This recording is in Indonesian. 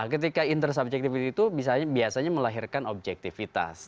ketika intersubjectivity itu biasanya melahirkan objektivitas